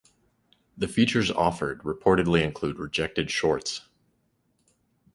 The features offered reportedly include "rejected shorts".